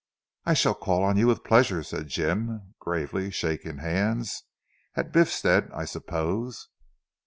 "I shall call on you with pleasure," said Jim gravely shaking hands. "At Biffstead I suppose?"